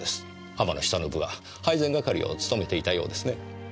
浜野久信は配膳係を務めていたようですね。